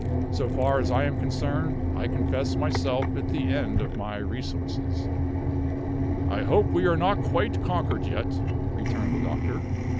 So far as I am concerned, I confess myself at the end of my resources." "I hope we are not quite conquered yet," returned the doctor.